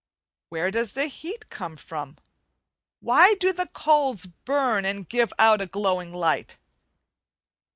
Where does the heat come from? Why do the coals burn and give out a glowing light?